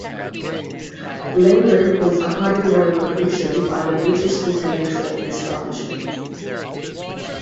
Lingard was accorded no recognition by the British intellectual establishment.